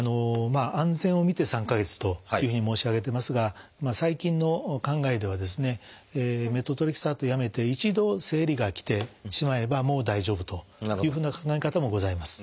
安全を見て３か月というふうに申し上げてますが最近の考えではですねメトトレキサートやめて一度生理がきてしまえばもう大丈夫というふうな考え方もございます。